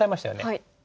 はい。